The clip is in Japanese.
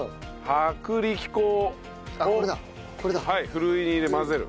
ふるいに入れ混ぜる。